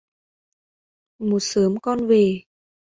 Một sớm con về